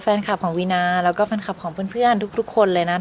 แฟนคลับของวีนาแล้วก็แฟนคลับของเพื่อนทุกคนเลยนะ